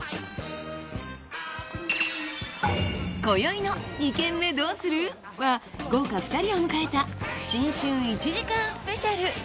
今宵の「二軒目どうする？」は豪華２人を迎えた新春１時間スペシャル。